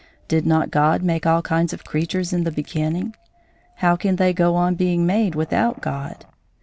Did not God make all kinds of creatures in the beginning? How can they go on being made without God?